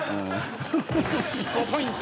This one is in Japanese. ５ポイント。